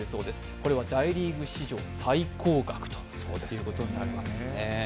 これは大リーグ史上最高額ということになるわけですね。